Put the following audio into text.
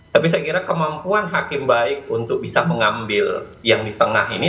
tapi saya kira kemampuan hakim baik untuk bisa mengambil yang di tengah ini